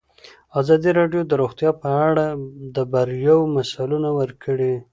ازادي راډیو د روغتیا په اړه د بریاوو مثالونه ورکړي.